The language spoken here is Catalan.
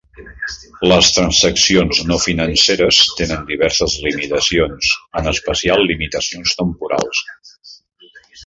Les transaccions no financeres tenen diverses limitacions, en especial limitacions temporals.